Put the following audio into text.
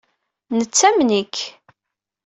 Nettamen-ik.